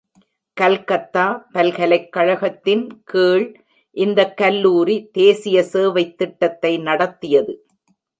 கல்கத்தா பல்கலைக்கழகத்தின் கீழ் இந்தக் கல்லூரி தேசிய சேவைத் திட்டத்தை நடத்தியது.